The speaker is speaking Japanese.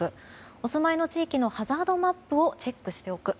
お住まいの地域のハザードマップをチェックしておく。